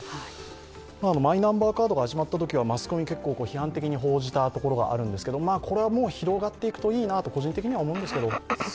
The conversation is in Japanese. マイナンバーカードが始まったときはマスコミ結構批判的に報じたところがあるんですが、これは広がっていくといいなと個人的には思うんですけど。